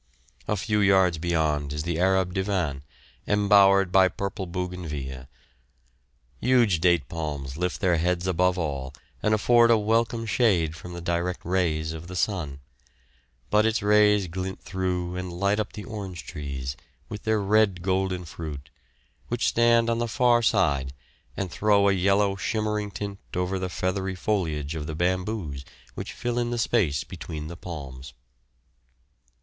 A few yards beyond is the Arab divan, embowered by purple bougainvillea. Huge date palms lift their heads above all and afford a welcome shade from the direct rays of the sun; but its rays glint through and light up the orange trees, with their red golden fruit, which stand on the far side, and throw a yellow shimmering tint over the feathery foliage of the bamboos which fill in the space between the palms.